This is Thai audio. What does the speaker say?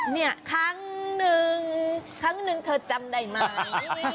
เนี่ยครั้งนึงเธอจำได้ไหม